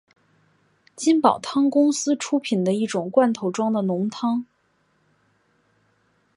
金宝汤公司出品的一种罐头装的浓汤。